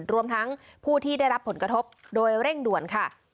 รวมทั้งผู้ที่ได้รับผลกระทบโดยเร่งด่วนค่ะ